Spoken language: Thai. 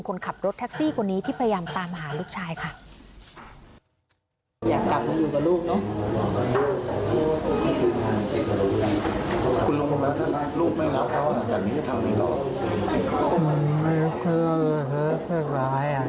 คนขับรถแท็กซี่คนนี้ที่พยายามตามหาลูกชายค่ะ